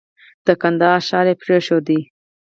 د کندهار ښار پرېښود.